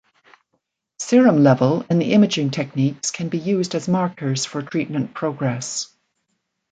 Serum level and the imaging techniques can be used as markers for treatment progress.